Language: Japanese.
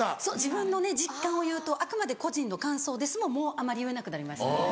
そう自分の実感を言うと「あくまで個人の感想です」ももうあまり言えなくなりました